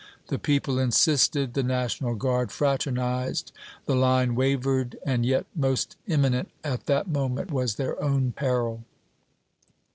The people insisted the National Guard fraternized the Line wavered. And yet most imminent at that moment was their own peril.